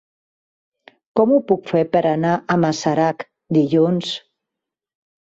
Com ho puc fer per anar a Masarac dilluns?